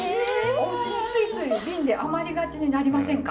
おうちでついつい瓶で余りがちになりませんか？